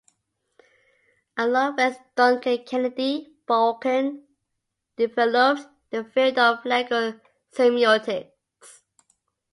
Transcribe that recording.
Along with Duncan Kennedy, Balkin developed the field of legal semiotics.